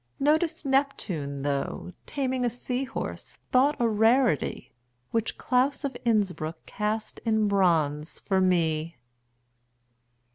Notice Neptune, though, Taming a sea horse, thought a rarity, 55 Which Claus of Innsbruck cast in bronze for me!